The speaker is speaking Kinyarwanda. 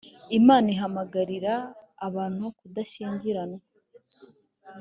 imana ihamagarira abantu kudashyingiranwa